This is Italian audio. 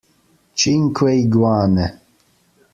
Cinque iguane.